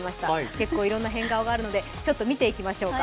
結構いろんな変顔があるのでちょっと見ていきましょうか。